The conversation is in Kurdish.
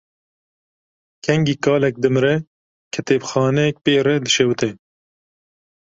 Kengî kalek dimire kitêbxaneyek pê re dişewite.